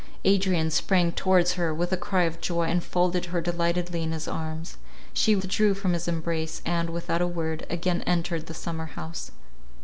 Adrian sprang towards her with a cry of joy, and folded her delightedly in his arms. She withdrew from his embrace, and, without a word, again entered the summer house.